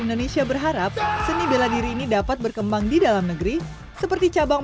indonesia berharap seni bela diri ini dapat berkembang di dalam negeri seperti cabang